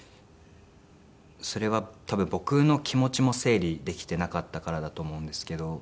それは多分僕の気持ちも整理できてなかったからだと思うんですけど。